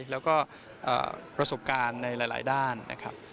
แล้วก็ประสบการณ์ในหลายด้านนะครับ